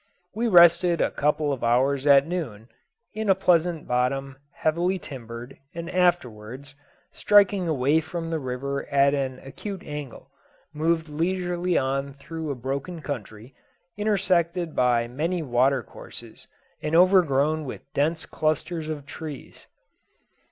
We rested a couple of hours at noon, in a pleasant bottom, heavily timbered, and afterwards, striking away from the river at an acute angle, moved leisurely on through a broken country, intersected by many water courses, and overgrown with dense clusters of trees.